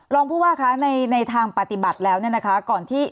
ลองพูดว่าในทางปฏิบัติแล้วก่อนที่